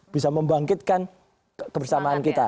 bisa membangkitkan kebersamaan kita